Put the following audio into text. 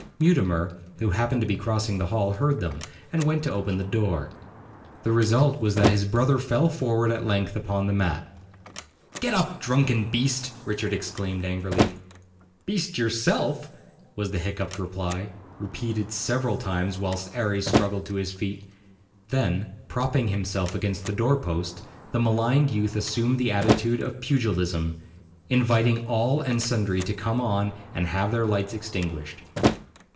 Mutimer, who happened to be crossing the hall, heard them, and went to open the door. The result was that his brother fell forward at full length upon the mat. 'Get up, drunken beast!' Richard exclaimed angrily. 'Beast yourself,' was the hiccupped reply, repeated several times whilst 'Arry struggled to his feet. Then, propping himself against the door post, the maligned youth assumed the attitude of pugilism, inviting all and sundry to come on and have their lights extinguished.